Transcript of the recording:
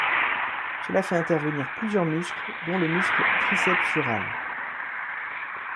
Cela fait intervenir plusieurs muscles, dont le muscle triceps sural.